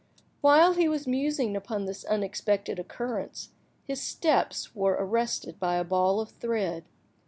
While he was musing upon this unexpected occurrence, his steps were arrested by a ball of thread.